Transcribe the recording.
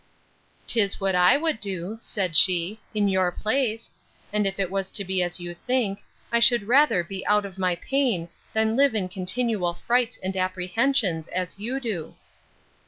'Tis what I would do, said she, in your place; and if it was to be as you think, I should rather be out of my pain, than live in continual frights and apprehensions, as you do.